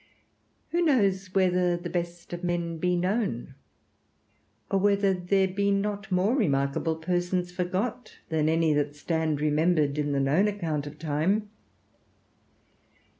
Who knows whether the best of men be known, or whether there be not more remarkable persons forgot than any that stand remembered in the known account of time?